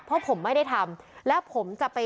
เพราะผมไม่ได้ทำ